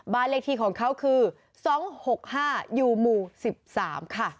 บ้านเลขที่ของเขาคือ๒๖๕อยู่หมู่๑๓ค่ะ